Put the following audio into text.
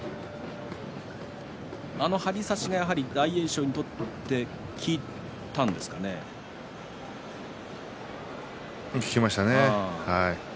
あの張り差しが大栄翔にとって効きましたね。